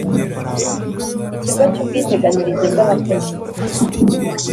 ikigo cy ubwiteganyirize bw abakozi